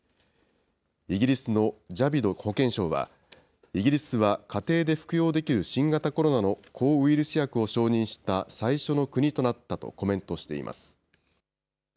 イギリスのジャビド保健相は、イギリスは家庭で服用できる新型コロナの抗ウイルス薬を承認した最初の国となったとコメントしています。